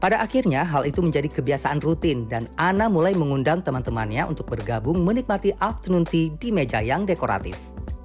pada akhirnya hal itu menjadi kebiasaan rutin dan ana mulai mengundang teman temannya untuk bergabung menikmati afternoon tea di meja yang dekoratif